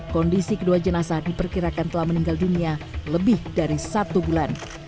kondisi kedua jenazah diperkirakan telah meninggal dunia lebih dari satu bulan